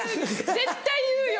絶対言うよ！